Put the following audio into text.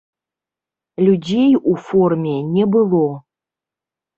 Людзей у форме не было.